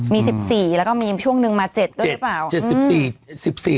มี๑๔แล้วก็มีช่วงนึงมา๗ด้วยหรือเปล่า